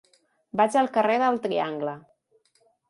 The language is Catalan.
Vaig al carrer del Triangle.